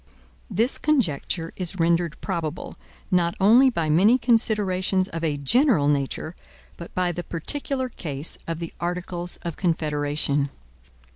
This conjecture is rendered probable, not only by many considerations of a general nature, but by the particular case of the Articles of Confederation.